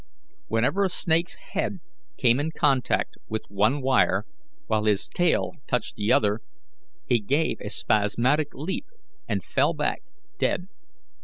Whenever a snake's head came in contact with one wire, while his tail touched the other, he gave a spasmodic leap and fell back dead.